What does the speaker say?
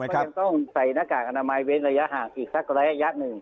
ก็ยังต้องใส่หน้ากากอนามัยเว้นระยะห่างอีกสักระยะหนึ่ง